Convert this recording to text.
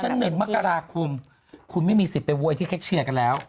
เพราะฉะนึกมะกระดาษคุมคุณไม่มีสิทธิ์ไปววยที่แคบเชื่อกันแล้ว